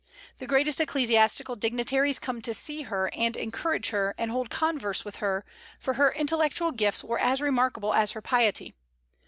The greatest ecclesiastical dignitaries come to see her, and encourage her, and hold converse with her, for her intellectual gifts were as remarkable as her piety.